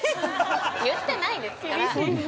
◆言ってないですから。